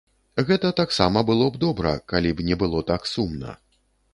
Гэта таксама было б добра, калі б не было так сумна.